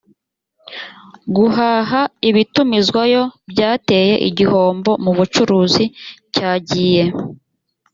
guhaha ibitumizwayo byateye igihombo mu bucuruzi cyagiye